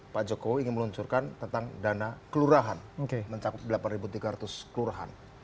pak jokowi ingin meluncurkan tentang dana kelurahan mencakup delapan tiga ratus kelurahan